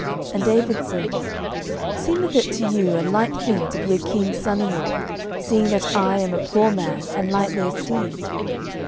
And David said, Seemeth it to you a light thing to be a king's son in law, seeing that I am a poor man, and lightly esteemed?